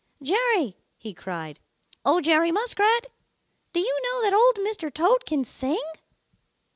"Jerry!" he cried. "Oh, Jerry Muskrat! Do you know that Old Mr. Toad can sing?"